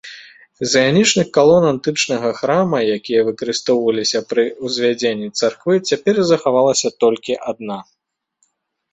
З іанічных калон антычнага храма, якія выкарыстоўваліся пры ўзвядзенні царквы, цяпер захавалася толькі адна.